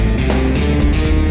udah bocan mbak